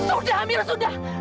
sudah amirah sudah